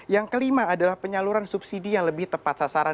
yang kelima adalah penyaluran subsidi yang lebih tepat sasaran